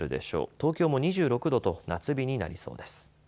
東京も２６度と夏日になりそうです。